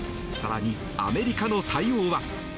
更に、アメリカの対応は？